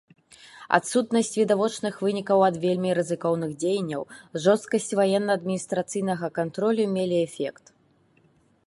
Адсутнасць відавочных вынікаў ад вельмі рызыкоўных дзеянняў, жорсткасць ваенна-адміністрацыйнага кантролю мелі эфект.